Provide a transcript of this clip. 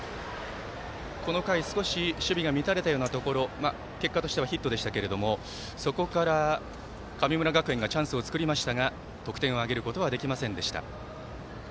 この回、少し守備が乱れたようなところ結果としてはヒットでしたけれどそこから神村学園がチャンスを作りましたが得点を挙げることはできませんでした。